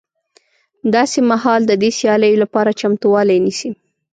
داسې مهال د دې سیالیو لپاره چمتوالی نیسي